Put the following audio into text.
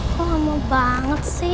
kok lama banget sih